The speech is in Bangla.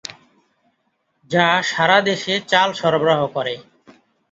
যা সারাদেশে চাল সরবরাহ করে।